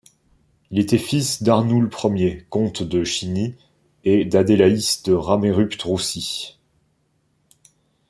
Il était fils d'Arnoul I, comte de Chiny, et d'Adélaïs de Ramerupt-Roucy.